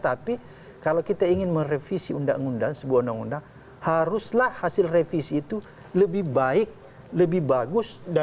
tapi kalau kita ingin merevisi undang undang sebuah undang undang haruslah hasil revisi itu lebih baik lebih bagus